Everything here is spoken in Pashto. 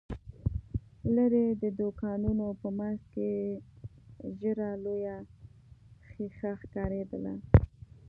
ليرې، د دوکانونو په مينځ کې ژېړه لويه ښيښه ښکارېدله.